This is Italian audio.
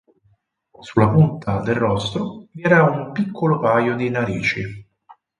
Sulla punta del rostro vi era un piccolo paio di narici.